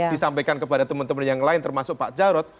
disampaikan kepada teman teman yang lain termasuk pak jarod